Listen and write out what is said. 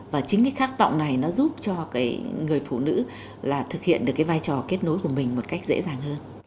và chính cái khát vọng này nó giúp cho người phụ nữ là thực hiện được cái vai trò kết nối của mình một cách dễ dàng hơn